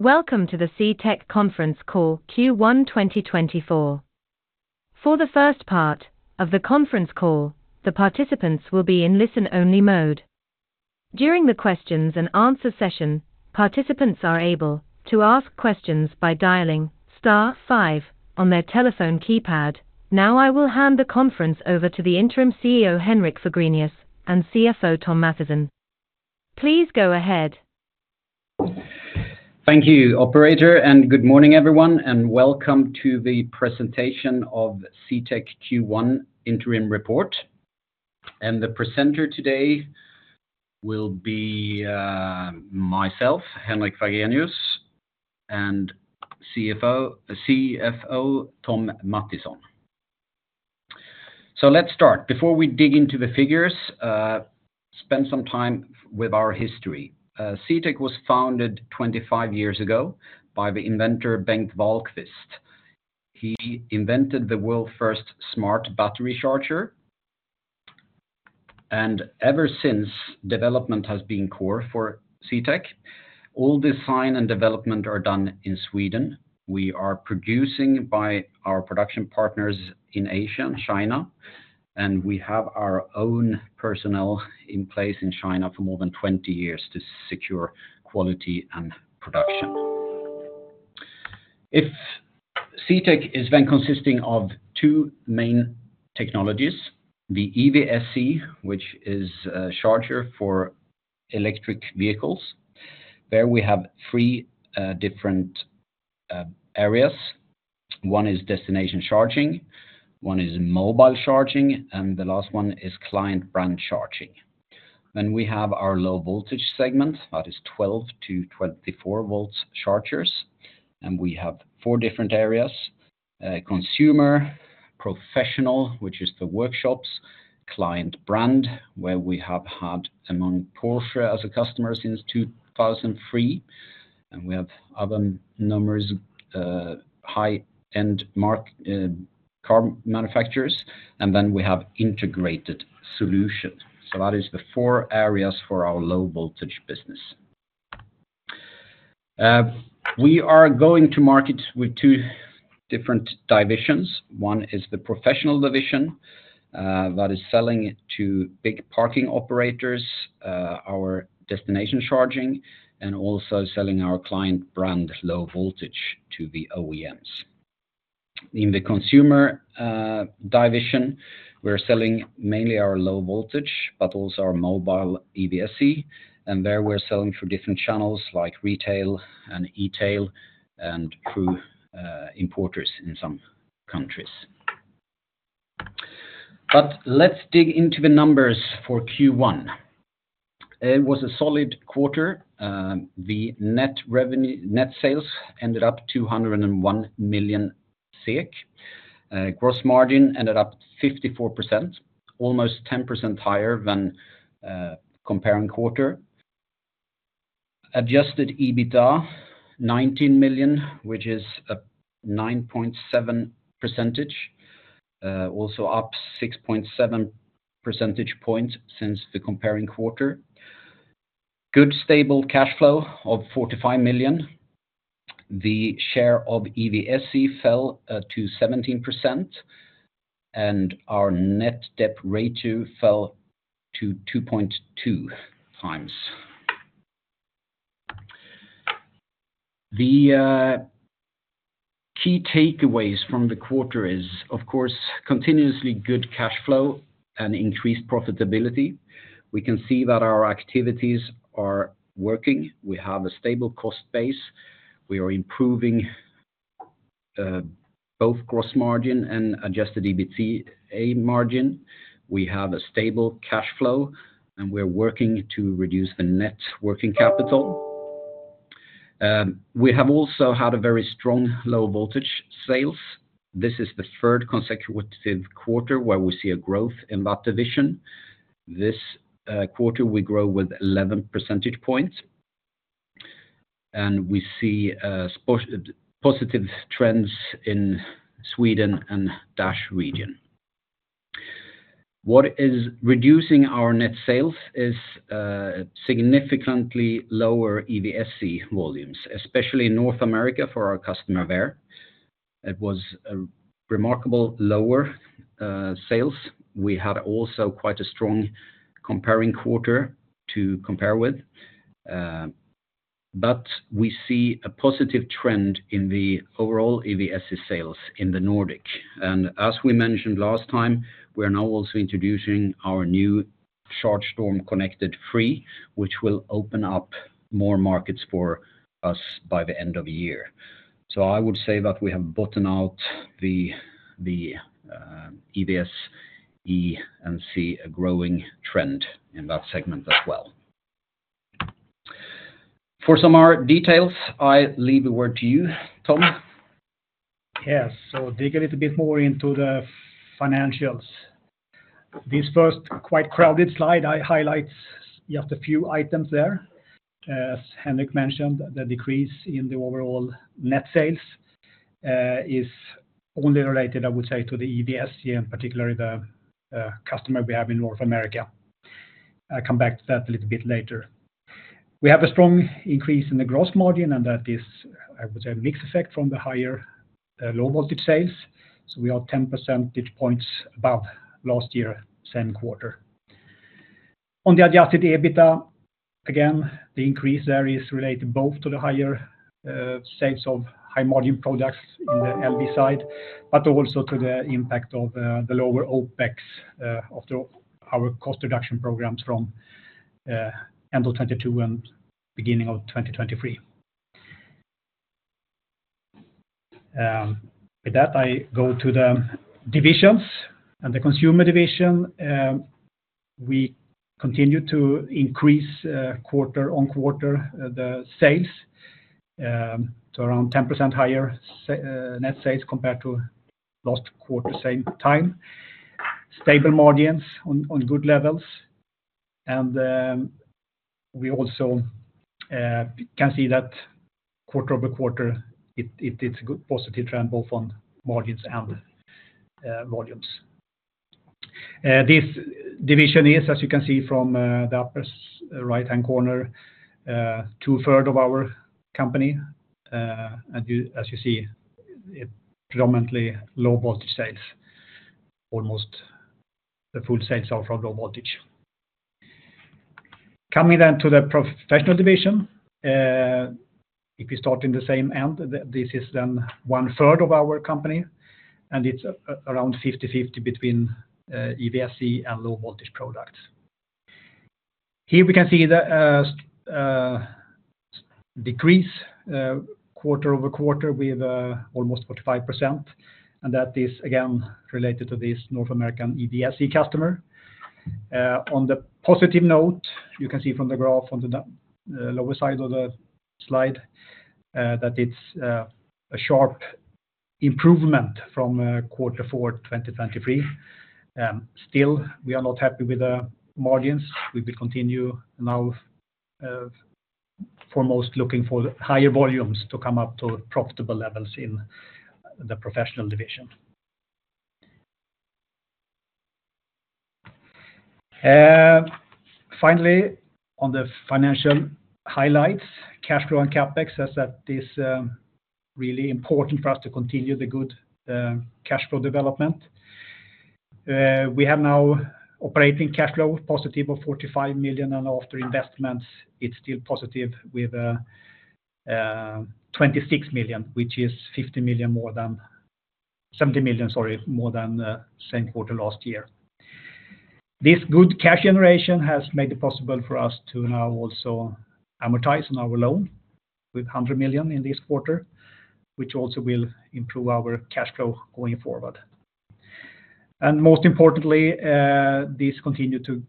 Welcome to the CTEK Conference Call Q1 2024. For the first part of the conference call, the participants will be in listen-only mode. During the questions-and-answers session, participants are able to ask questions by dialing star five on their telephone keypad. Now I will hand the conference over to the Interim CEO Henrik Fagrenius and CFO Thom Mathisen. Please go ahead. Thank you, Operator, and good morning everyone, and welcome to the presentation of CTEK Q1 Interim Report. The presenter today will be, myself, Henrik Fagrenius, and CFO, CFO Thom Mathisen. Let's start. Before we dig into the figures, spend some time with our history. CTEK was founded 25 years ago by the inventor Bengt Wahlqvist. He invented the world's first smart battery charger. Ever since, development has been core for CTEK. All design and development are done in Sweden. We are producing by our production partners in Asia and China, and we have our own personnel in place in China for more than 20 years to secure quality and production. If CTEK is then consisting of two main technologies, the EVSE, which is a charger for electric vehicles, there we have three, different, areas. One is destination charging, one is mobile charging, and the last one is client-brand charging. Then we have our low-voltage segment, that is 12-24 volt chargers, and we have four different areas, consumer, professional, which is the workshops, client-brand, where we have had among Porsche as a customer since 2003, and we have other numbers, high-end marque, car manufacturers, and then we have integrated solution. So that is the four areas for our low-voltage business. We are going to market with two different divisions. One is the professional division, that is selling to big parking operators, our destination charging, and also selling our client-brand low voltage to the OEMs. In the consumer division, we're selling mainly our low voltage, but also our mobile EVSE, and there we're selling through different channels like retail and e-tail and through importers in some countries. But let's dig into the numbers for Q1. It was a solid quarter. The net revenue, net sales ended up 201 million SEK. Gross margin ended up 54%, almost 10% higher than comparing quarter. Adjusted EBITDA, 19 million, which is a 9.7%, also up 6.7 percentage points since the comparing quarter. Good stable cash flow of 45 million. The share of EVSE fell to 17%, and our net debt ratio fell to 2.2 times. The key takeaways from the quarter is, of course, continuously good cash flow and increased profitability. We can see that our activities are working. We have a stable cost base. We are improving both gross margin and adjusted EBITDA margin. We have a stable cash flow, and we're working to reduce the net working capital. We have also had a very strong low-voltage sales. This is the third consecutive quarter where we see a growth in that division. This quarter we grow with 11 percentage points, and we see some positive trends in Sweden and DACH region. What is reducing our net sales is significantly lower EVSE volumes, especially in North America for our customer there. It was a remarkably lower sales. We had also quite a strong comparing quarter to compare with. But we see a positive trend in the overall EVSE sales in the Nordic. And as we mentioned last time, we are now also introducing our new CHARGESTORM® CONNECTED 3, which will open up more markets for us by the end of the year. So I would say that we have bottomed out the EVSE and see a growing trend in that segment as well. For some more details, I leave the word to you, Thom. Yeah. So dig a little bit more into the financials. This first quite crowded slide highlights just a few items there. As Henrik mentioned, the decrease in the overall net sales is only related, I would say, to the EVSE and particularly the customer we have in North America. I'll come back to that a little bit later. We have a strong increase in the gross margin, and that is, I would say, a mixed effect from the higher low-voltage sales. So we are 10 percentage points above last year, same quarter. On the adjusted EBITDA, again, the increase there is related both to the higher sales of high-margin products in the LV side, but also to the impact of the lower OpEx of our cost reduction programs from end of 2022 and beginning of 2023. With that, I go to the divisions and the consumer division. We continue to increase, quarter-over-quarter, the sales to around 10% higher net sales compared to last quarter, same time. Stable margins on good levels. And we also can see that quarter-over-quarter, it's a good positive trend both on margins and volumes. This division is, as you can see from the upper right-hand corner, two-thirds of our company. And as you see, it predominantly low-voltage sales. Almost the full sales are from low voltage. Coming then to the professional division, if we start in the same end, this is then one-third of our company, and it's around 50/50 between EVSE and low-voltage products. Here we can see the decrease quarter-over-quarter with almost 45%, and that is again related to this North American EVSE customer. On the positive note, you can see from the graph on the lower side of the slide that it's a sharp improvement from quarter four 2023. Still, we are not happy with the margins. We will continue now, foremost looking for higher volumes to come up to profitable levels in the professional division. Finally, on the financial highlights, cash flow and CapEx, as that is really important for us to continue the good cash flow development. We have now operating cash flow positive of 45 million, and after investments, it's still positive with 26 million, which is 50 million more than, 70 million, sorry, more than same quarter last year. This good cash generation has made it possible for us to now also amortize on our loan with 100 million in this quarter, which also will improve our cash flow going forward. Most importantly, this continued to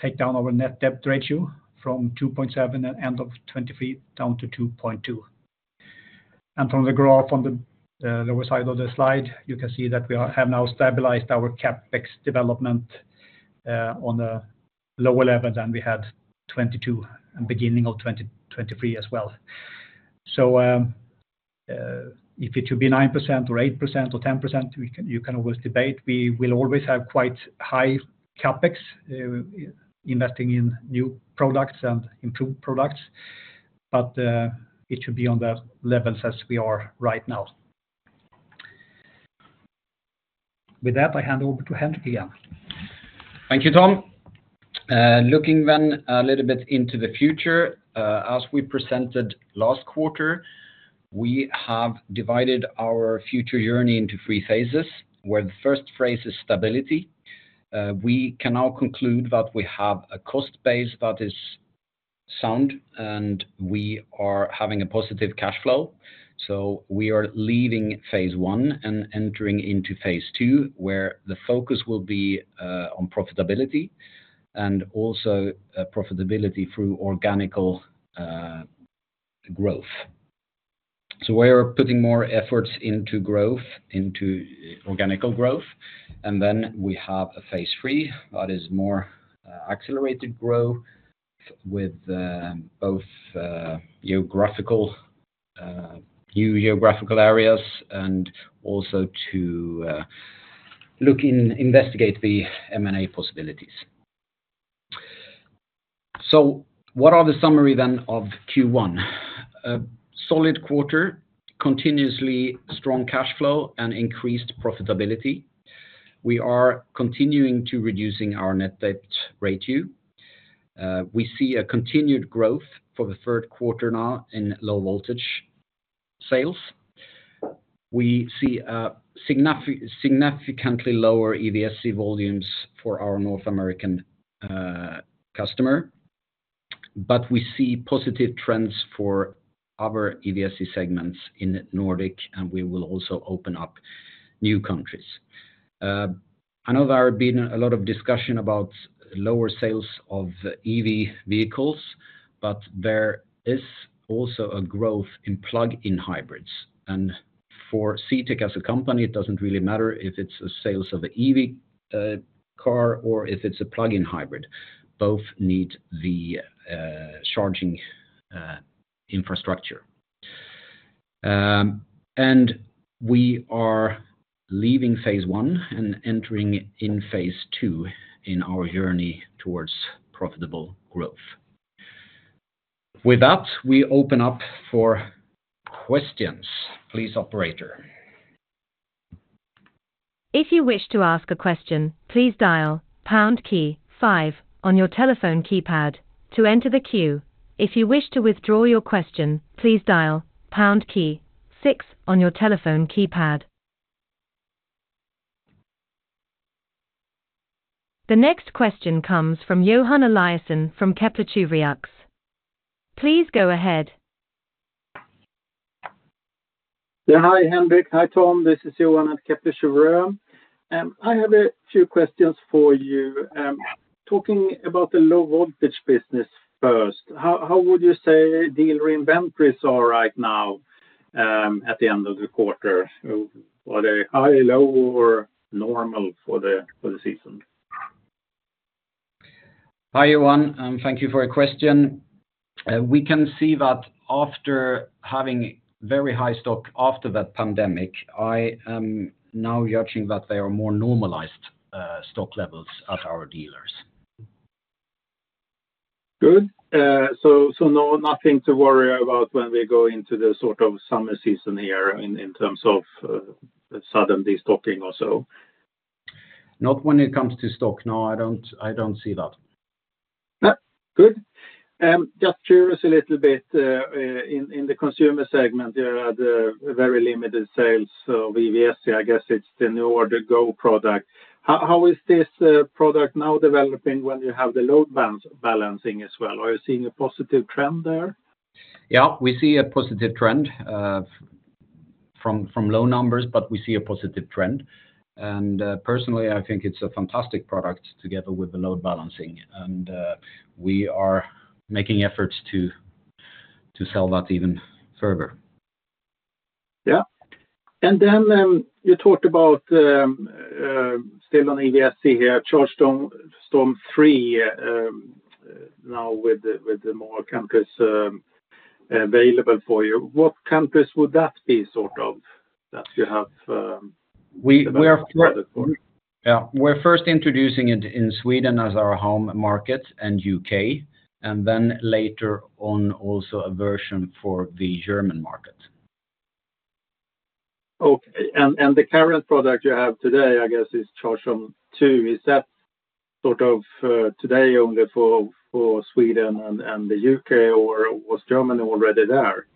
take down our net debt ratio from 2.7 at the end of 2023 down to 2.2. From the graph on the lower side of the slide, you can see that we have now stabilized our CapEx development on a lower level than we had 2022 and beginning of 2023 as well. So, if it should be 9% or 8% or 10%, you can always debate. We will always have quite high CapEx, investing in new products and improved products, but it should be on the levels as we are right now. With that, I hand over to Henrik again. Thank you, Thom. Looking then a little bit into the future, as we presented last quarter, we have divided our future journey into three phases, where the first phase is stability. We can now conclude that we have a cost base that is sound, and we are having a positive cash flow. So we are leaving phase I and entering into phase II, where the focus will be on profitability and also profitability through organic growth. So we are putting more efforts into growth, into organic growth, and then we have a phase III that is more accelerated growth with both geographical new geographical areas and also to look into investigate the M&A possibilities. So what are the summary then of Q1? Solid quarter, continuously strong cash flow and increased profitability. We are continuing to reduce our net debt ratio. We see a continued growth for the third quarter now in low-voltage sales. We see a significantly lower EVSE volumes for our North American customer, but we see positive trends for other EVSE segments in Nordic, and we will also open up new countries. I know there have been a lot of discussion about lower sales of EV vehicles, but there is also a growth in plug-in hybrids. For CTEK as a company, it doesn't really matter if it's the sales of an EV car or if it's a plug-in hybrid. Both need the charging infrastructure. We are leaving phase I and entering in phase II in our journey towards profitable growth. With that, we open up for questions. Please, operator. If you wish to ask a question, please dial pound key five on your telephone keypad to enter the queue. If you wish to withdraw your question, please dial pound key six on your telephone keypad. The next question comes from Johan Eliasson from Kepler Cheuvreux. Please go ahead. Yeah. Hi, Henrik. Hi, Thom. This is Johan at Kepler Cheuvreux. I have a few questions for you. Talking about the low-voltage business first, how would you say dealer inventories are right now, at the end of the quarter? Are they high, low, or normal for the season? Hi, Johan. Thank you for your question. We can see that after having very high stock after that pandemic, I now judging that they are more normalized, stock levels at our dealers. Good. So, no, nothing to worry about when we go into the sort of summer season here in terms of sudden destocking or so. Not when it comes to stock. No, I don't I don't see that. Yeah. Good. Just curious a little bit, in the consumer segment, you had very limited sales of EVSE. I guess it's the new NJORD GO product. How is this product now developing when you have the load balancing as well? Are you seeing a positive trend there? Yeah, we see a positive trend from low numbers, but we see a positive trend. And, personally, I think it's a fantastic product together with the load balancing. And, we are making efforts to sell that even further. Yeah. And then, you talked about, still on EVSE here, CHARGESTORM® CONNECTED 3, now with more countries available for you. What countries would that be sort of that you have provided for? We are first, yeah, we're first introducing it in Sweden as our home market and UK, and then later on also a version for the German market. Okay. And the current product you have today, I guess, is CHARGESTORM® CONNECTED 2. Is that sort of today only for Sweden and the U.K., or was Germany already there?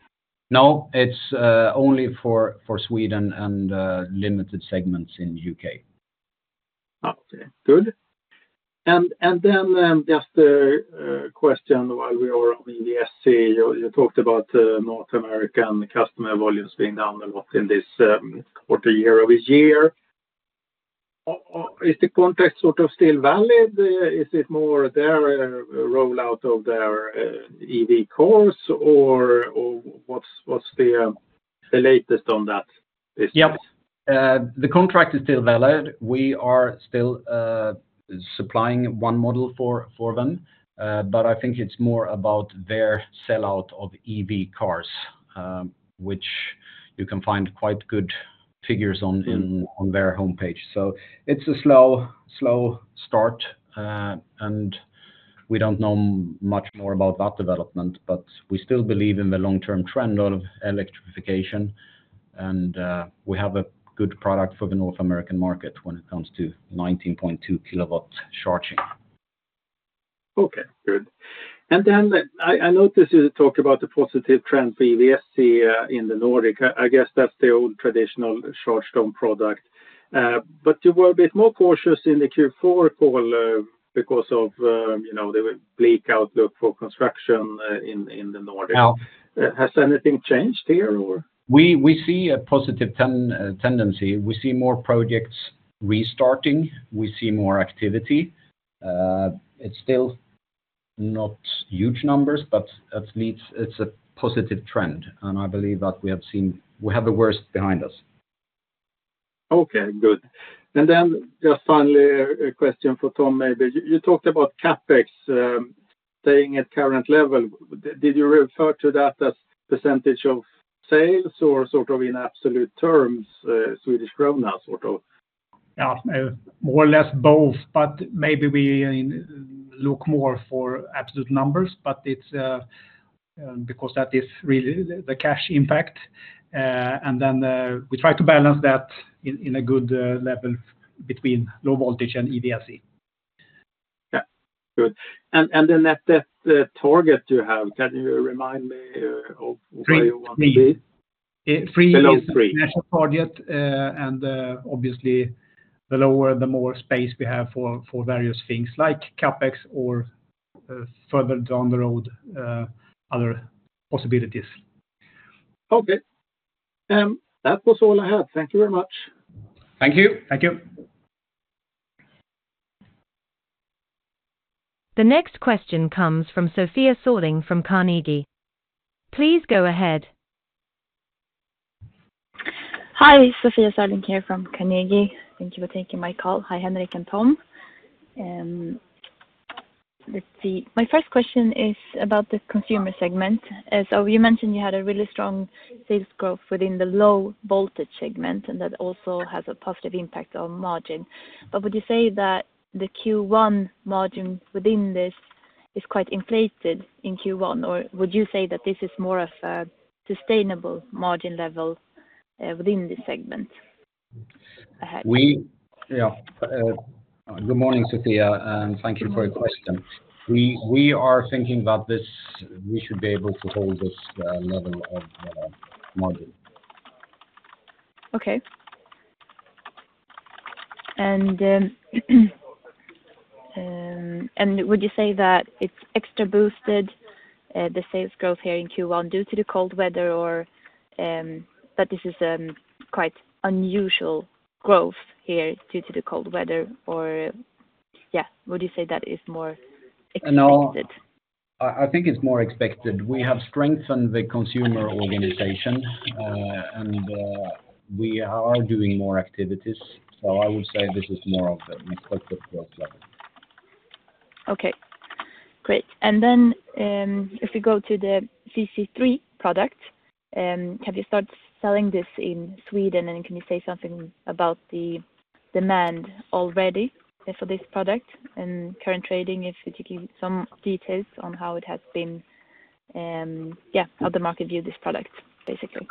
No, it's only for Sweden and limited segments in the U.K. Okay. Good. And then, just a question while we are on EVSE. You talked about North American customer volumes being down a lot in this quarter, year over year. Is the context sort of still valid? Is it more their rollout of their EV cars, or what's the latest on that this year? Yep. The contract is still valid. We are still supplying one model for them. But I think it's more about their sellout of EV cars, which you can find quite good figures on their homepage. So it's a slow start. We don't know much more about that development, but we still believe in the long-term trend of electrification. We have a good product for the North American market when it comes to 19.2 kW charging. Okay. Good. And then I notice you talk about the positive trend for EVSE in the Nordic. I guess that's the old traditional CHARGESTORM® product. But you were a bit more cautious in the Q4 call, because of, you know, the bleak outlook for construction in the Nordic. Yeah. Has anything changed here, or? We see a positive tendency. We see more projects restarting. We see more activity. It's still not huge numbers, but that leads. It's a positive trend. I believe that we have seen the worst behind us. Okay. Good. And then just finally, a question for Thom maybe. You talked about CapEx, staying at current level. Did you refer to that as percentage of sales or sort of in absolute terms, Swedish krona sort of? Yeah, more or less both, but maybe we look more for absolute numbers, but it's because that is really the cash impact. And then, we try to balance that in a good level between low voltage and EVSE. Yeah. Good. And the net debt target you have, can you remind me of where you want to be? 3. 3 is the national target. Obviously, the lower, the more space we have for various things like Capex or, further down the road, other possibilities. Okay. That was all I had. Thank you very much. Thank you. Thank you. The next question comes from Sofia Sörling from Carnegie. Please go ahead. Hi, Sofia Sörling here from Carnegie. Thank you for taking my call. Hi, Henrik and Thom. Let's see. My first question is about the consumer segment. As you mentioned, you had a really strong sales growth within the low voltage segment, and that also has a positive impact on margin. But would you say that the Q1 margin within this is quite inflated in Q1, or would you say that this is more of a sustainable margin level, within this segment? Yeah. Good morning, Sofia. Thank you for your question. We are thinking that this, we should be able to hold this level of margin. Okay. And would you say that it's extra boosted, the sales growth here in Q1 due to the cold weather, or that this is quite unusual growth here due to the cold weather, or yeah, would you say that is more expected? No, I think it's more expected. We have strengthened the consumer organization, and we are doing more activities. So I would say this is more of an expected growth level. Okay. Great. And then, if we go to the CC3 product, have you started selling this in Sweden, and can you say something about the demand already for this product and current trading, if you could give some details on how it has been, yeah, how the market viewed this product, basically?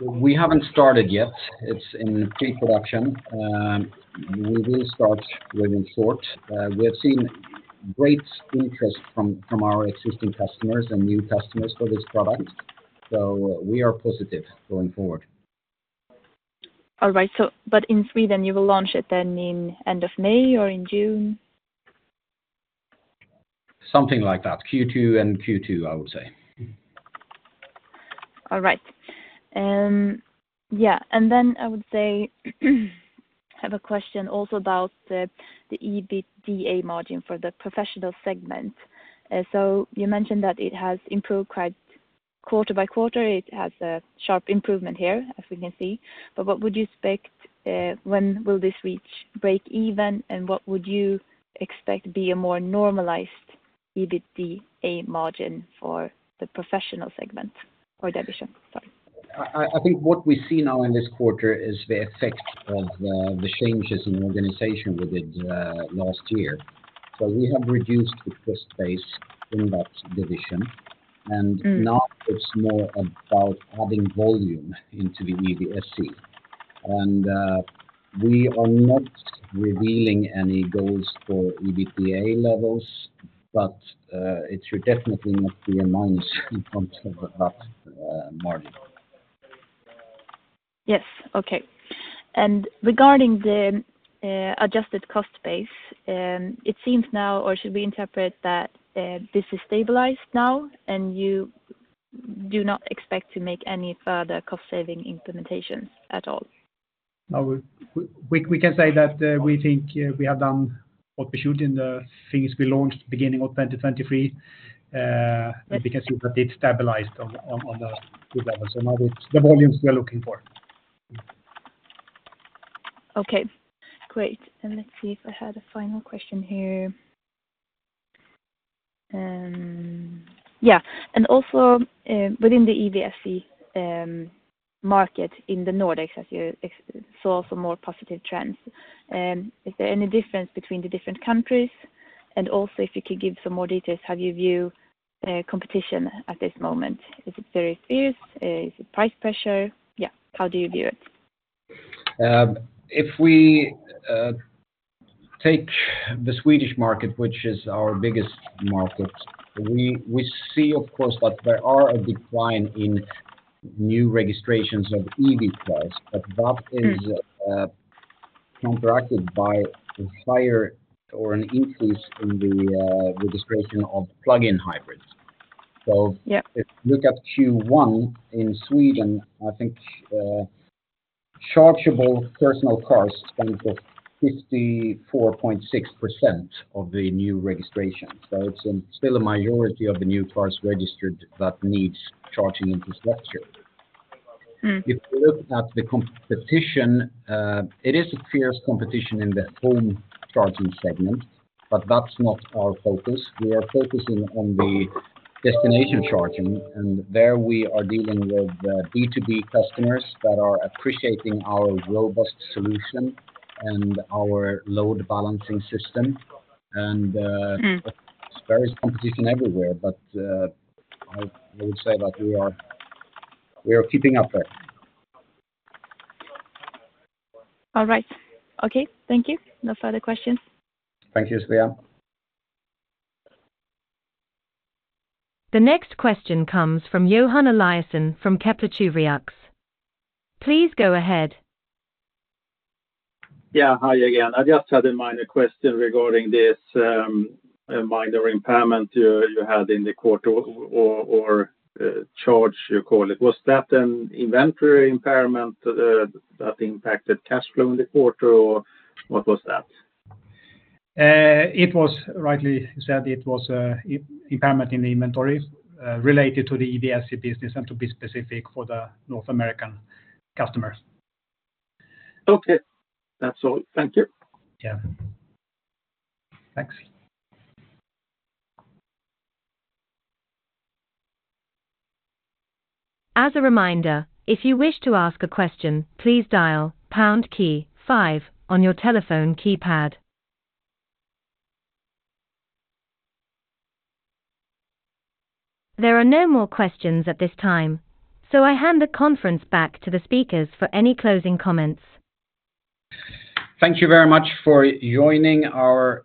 We haven't started yet. It's in pre-production. We will start within short. We have seen great interest from, from our existing customers and new customers for this product. So we are positive going forward. All right. But in Sweden, you will launch it then in the end of May or in June? Something like that. Q2 and Q2, I would say. All right. Yeah. And then I would say I have a question also about the, the EBITDA margin for the professional segment. So you mentioned that it has improved quite quarter by quarter. It has a sharp improvement here, as we can see. But what would you expect, when will this reach break even, and what would you expect be a more normalized EBITDA margin for the professional segment or division? Sorry. I think what we see now in this quarter is the effect of the changes in organization within last year. So we have reduced the cost base in that division. And now it's more about adding volume into the EVSE. And we are not revealing any goals for EBITDA levels, but it should definitely not be a minus in terms of that margin. Yes. Okay. Regarding the adjusted cost base, it seems now or should we interpret that this is stabilized now and you do not expect to make any further cost-saving implementations at all? No, we can say that, we think, we have done what we should in the things we launched beginning of 2023. We can see that it stabilized on the good level. So now it's the volumes we are looking for. Okay. Great. Let's see if I had a final question here. Yeah. And also, within the EVSE market in the Nordics, as you saw some more positive trends, is there any difference between the different countries? And also, if you could give some more details, how do you view competition at this moment? Is it very fierce? Is it price pressure? Yeah. How do you view it? If we take the Swedish market, which is our biggest market, we see, of course, that there are a decline in new registrations of EV cars, but that is counteracted by a higher or an increase in the registration of plug-in hybrids. So. Yeah. If you look at Q1 in Sweden, I think, chargeable personal cars spent 54.6% of the new registration. So it's still a majority of the new cars registered that needs charging infrastructure. If you look at the competition, it is a fierce competition in the home charging segment, but that's not our focus. We are focusing on the destination charging. And there we are dealing with B2B customers that are appreciating our robust solution and our load balancing system. And there is competition everywhere, but I would say that we are keeping up there. All right. Okay. Thank you. No further questions. Thank you, Sofia. The next question comes from Johan Eliasson from Kepler Cheuvreux. Please go ahead. Yeah. Hi again. I just had a minor question regarding this, a minor impairment you had in the quarter or charge you call it. Was that an inventory impairment that impacted cash flow in the quarter, or what was that? It was rightly you said it was an impairment in the inventory, related to the EVSE business and to be specific for the North American customer. Okay. That's all. Thank you. Yeah. Thanks. As a reminder, if you wish to ask a question, please dial pound key 5 on your telephone keypad. There are no more questions at this time, so I hand the conference back to the speakers for any closing comments. Thank you very much for joining our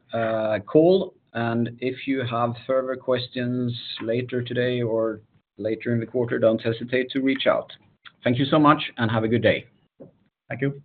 call. If you have further questions later today or later in the quarter, don't hesitate to reach out. Thank you so much and have a good day. Thank you.